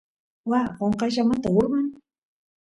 waa qonqayllamanta urman